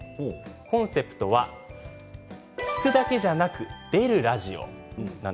コンセプトは聴くだけじゃなく、出るラジオ。